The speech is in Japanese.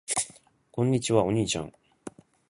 こんにちは。お兄ちゃん。